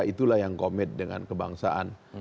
itulah yang komit dengan kebangsaan